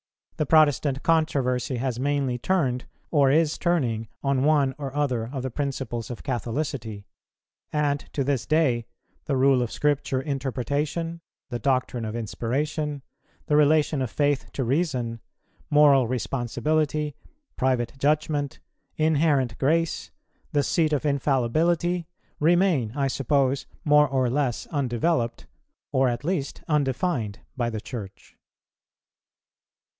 The Protestant controversy has mainly turned, or is turning, on one or other of the principles of Catholicity; and to this day the rule of Scripture Interpretation, the doctrine of Inspiration, the relation of Faith to Reason, moral responsibility, private judgment, inherent grace, the seat of infallibility, remain, I suppose, more or less undeveloped, or, at least, undefined, by the Church.